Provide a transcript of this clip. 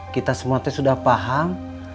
kita semuanya sudah paham